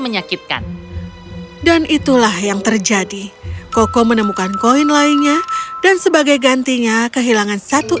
menyakitkan dan itulah yang terjadi koko menemukan koin lainnya dan sebagai gantinya kehilangan satu